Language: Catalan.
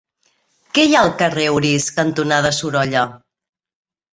Què hi ha al carrer Orís cantonada Sorolla?